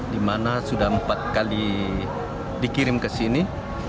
di mana sudah empat kali dikirim ke sini